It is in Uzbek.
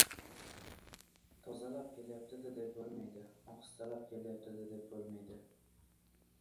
Tezlab kelayapti-da, deb bo‘lmaydi, ohistalab kelayapti-da deb bo‘lmaydi.